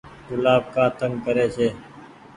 گلآب ڪآ تنگ ري ڇي۔